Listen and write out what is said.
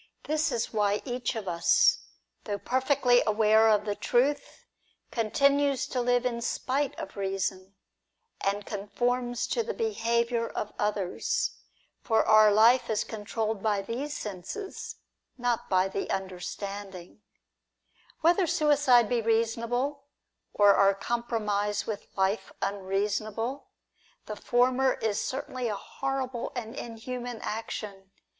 This is why each of us, though perfectly aware of the truth, continues to live in spite of Eeason, and conforms to the behaviour of others ; for our life is controlled by these senses, and not by the understanding, "^ Whether suicide be reasonable, or our compromise with life unreasonable, the former is certainly a horrible and inhuman action.